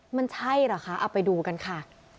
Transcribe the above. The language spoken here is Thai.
มันใช่เหรอคะเอาไปดูกันค่ะ